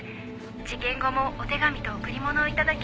事件後もお手紙と贈り物を頂き